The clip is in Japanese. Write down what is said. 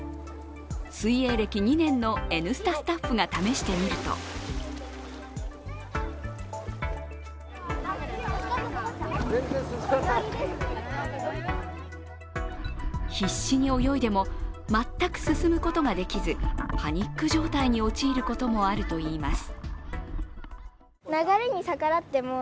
水泳歴２年の「Ｎスタ」スタッフが試してみると必死に泳いでも全く進むことができず、パニック状態に陥ることもあるといいます。